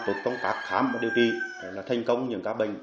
tổ chức công tác khám và điều trị là thành công những các bệnh